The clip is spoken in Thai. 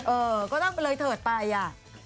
เออก็เลยเทิดไปอะ